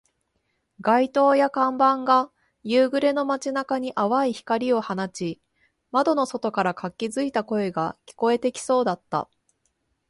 街灯や看板が夕暮れの街中に淡い光を放ち、窓の外から活気付いた声が聞こえてきそうだった